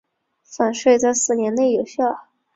返税在四年内有效。